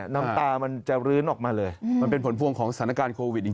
น้ำตามันจะรื้นออกมาเลยมันเป็นผลพวงของสถานการณ์โควิดจริง